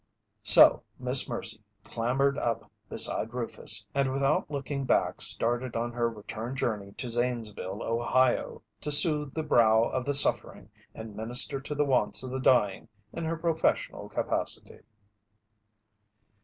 So Miss Mercy clambered up beside Rufus and without looking back started on her return journey to Zanesville, Ohio, to soothe the brow of the suffering and minister to the wants of the dying in her professional capacity.